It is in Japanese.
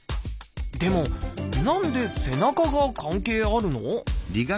でも何で背中が関係あるの？